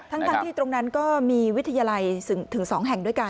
ทั้งที่ตรงนั้นก็มีวิทยาลัยถึง๒แห่งด้วยกัน